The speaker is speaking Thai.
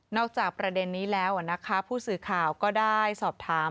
นอกจากประเด็นนี้ผู้สื่อข่าวก็ได้สอบถาม